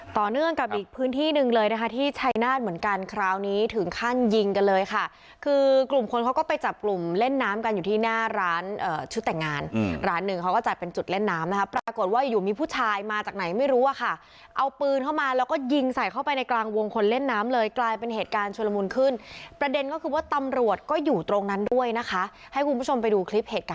ต่อเนื่องกับอีกพื้นที่หนึ่งเลยนะคะที่ชัยนาธิ์เหมือนกันคราวนี้ถึงขั้นยิงกันเลยค่ะคือกลุ่มคนเขาก็ไปจับกลุ่มเล่นน้ำกันอยู่ที่หน้าร้านชุดแต่งงานร้านหนึ่งเขาก็จัดเป็นจุดเล่นน้ำนะครับปรากฏว่าอยู่มีผู้ชายมาจากไหนไม่รู้อ่ะค่ะเอาปืนเข้ามาแล้วก็ยิงใส่เข้าไปในกลางวงคนเล่นน้ำเลยกลายเป็นเหตุการณ์ชวนละ